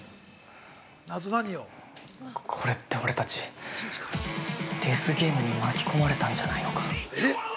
◆これって俺たち、デスゲームに巻き込まれたんじゃないのか。